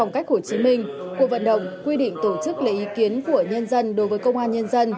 cuộc vận động quy định tổ chức lấy ý kiến của nhân dân đối với công an nhân dân